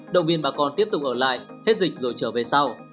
động viên bà con tiếp tục ở lại hết dịch rồi trở về sau